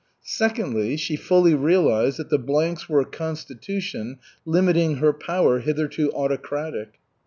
Secondly, she fully realized that the blanks were a constitution limiting her power hitherto autocratic.